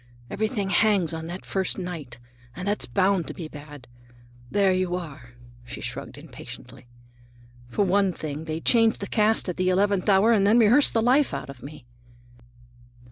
Everything hangs on that first night, and that's bound to be bad. There you are," she shrugged impatiently. "For one thing, they change the cast at the eleventh hour and then rehearse the life out of me."